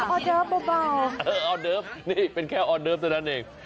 ออเจิฟเบาออเดิฟนี่เป็นแค่ออเดิฟเท่านั้นเอง